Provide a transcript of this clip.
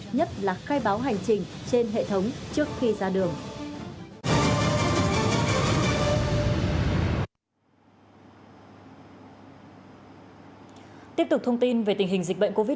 nhất là khai báo hành trình trên hệ thống trước khi ra đường